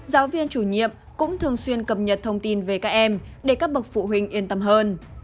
giáo viên chủ nhiệm cũng thường xuyên cập nhật thông tin về các em để các bậc phụ huynh yên tâm hơn